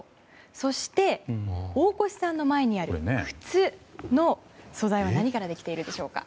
そして、大越さんの前にある靴の素材は何からできているでしょうか。